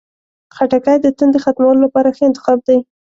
خټکی د تندې ختمولو لپاره ښه انتخاب دی.